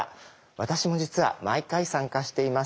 私も実は毎回参加しています。